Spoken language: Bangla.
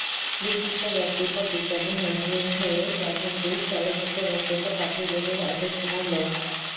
বিশিষ্ট ব্যক্তিত্ব—বিজ্ঞানী হেনরি ক্যাভেনডিশ, চলচ্চিত্র ব্যক্তিত্ব কাজী জহির, আশীষ কুমার লোহ।